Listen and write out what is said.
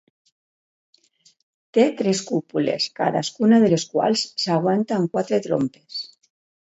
Té tres cúpules, cadascuna de les quals s'aguanta amb quatre trompes.